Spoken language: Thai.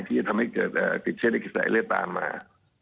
ที่จะทำให้เกิดติดเชื้อในกระแสเลือดตามมา